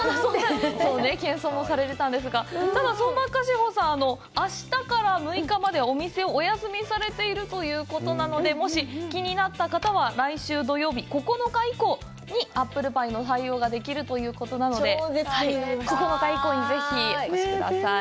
謙遜もされていたんですが、ただ、相馬菓子舗さん、あしたから６日まではお店をお休みされているということなので、もし気になった方は、来週土曜日、９日以降にアップルパイの対応ができるということで、９日以降にぜひお越しください。